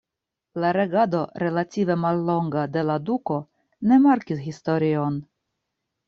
La regado relative mallonga de la duko ne markis historion.